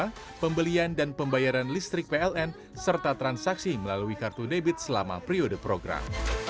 bri memberikan pembayaran listrik pln serta transaksi melalui kartu debit selama periode program